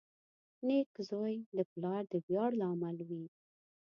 • نېک زوی د پلار د ویاړ لامل وي.